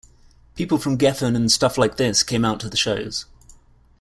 People from Geffen and stuff like this came out to the shows.